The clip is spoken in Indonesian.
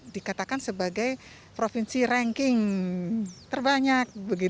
dikatakan sebagai provinsi ranking terbanyak